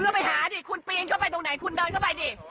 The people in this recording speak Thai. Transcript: คุณปีนเข้าไปตรงไหนคุณเดินเข้าไปดิ